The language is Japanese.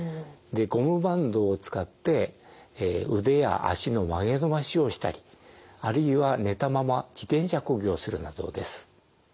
ゴムバンドを使って腕や脚の曲げ伸ばしをしたりあるいは寝たまま自転車こぎをするなどです。